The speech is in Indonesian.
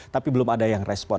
tapi belum ada yang respon